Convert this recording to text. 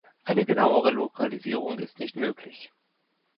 Eine genauere Lokalisierung ist nicht möglich.